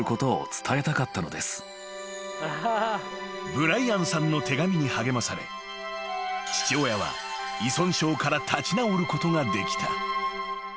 ［ブライアンさんの手紙に励まされ父親は依存症から立ち直ることができた］